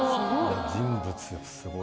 人物がすごいわ。